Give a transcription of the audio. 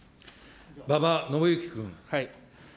馬場伸幸君。